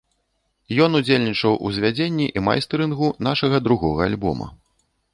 Ён удзельнічаў ў звядзенні і майстарынгу нашага другога альбома.